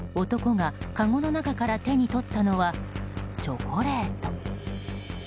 男がかごの中から手に取ったのはチョコレート。